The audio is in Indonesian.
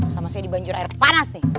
sama saya di banjir air panas nih